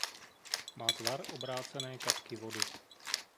Má tvar obrácené kapky vody.